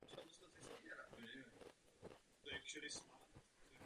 Pomůžete nám zabezpečit, aby se tato charta stala závaznou.